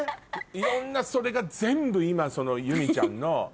いろんなそれが全部今祐実ちゃんの。